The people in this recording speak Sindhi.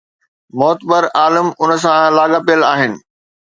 معتبر عالم ان سان لاڳاپيل آهن.